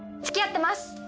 付き合ってます！